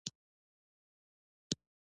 دښتې د افغانستان د طبیعت برخه ده.